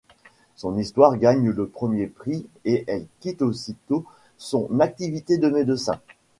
Son histoire gagne le premier prix et elle quitte aussitôt son activité de médecin.